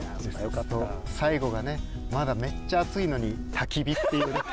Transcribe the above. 最後がねまだめっちゃ暑いのにたき火っていうね。